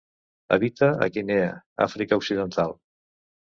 Habita a Guinea, Àfrica Occidental.